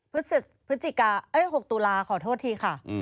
พฤศจิกา๖ตุลาขอโทษทีค่ะ